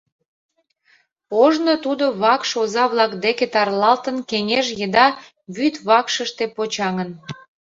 Ожно тудо вакш оза-влак деке тарлалтын, кеҥеж еда вӱд вакшыште почаҥын.